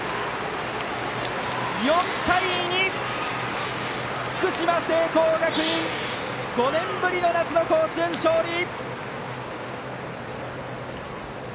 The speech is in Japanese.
４対２、福島・聖光学院５年ぶりの夏の甲子園勝利！